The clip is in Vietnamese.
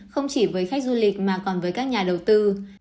không chỉ với khách du lịch mà còn với các nhà đầu tư